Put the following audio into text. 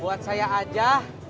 buat saya aja